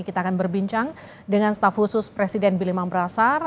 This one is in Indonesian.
kita akan berbincang dengan staf khusus presiden bili mang brasar